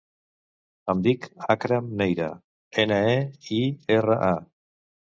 Em dic Akram Neira: ena, e, i, erra, a.